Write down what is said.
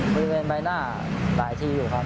มีใบหน้าหลายทีอยู่ครับ